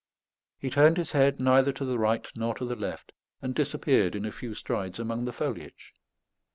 He turned his head neither to the right nor to the left, and disappeared in a few strides among the foliage.